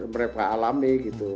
mereka alami gitu